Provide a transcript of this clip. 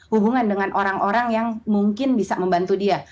hubungan dengan orang orang yang mungkin bisa membantu dia